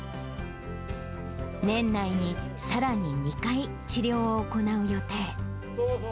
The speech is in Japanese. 年内にさらに２回、治療を行う予定。